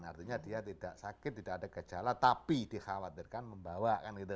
artinya dia tidak sakit tidak ada gejala tapi dikhawatirkan membawa kan gitu